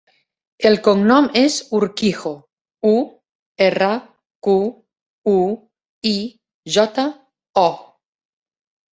El cognom és Urquijo: u, erra, cu, u, i, jota, o.